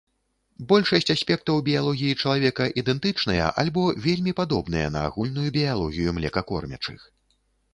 Большасць аспектаў біялогіі чалавека ідэнтычныя альбо вельмі падобныя на агульную біялогію млекакормячых.